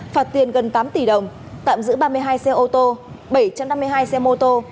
phạt tiền gần tám tỷ đồng tạm giữ ba mươi hai xe ô tô bảy trăm năm mươi hai xe mô tô